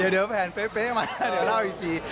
เดี๋ยวแผนเป๊ะมาเดี๋ยวเล่าอีกที